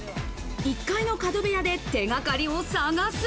１階の角部屋で手掛かりを探す。